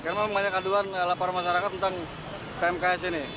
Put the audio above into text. memang banyak kanduan laporan masyarakat tentang pmks ini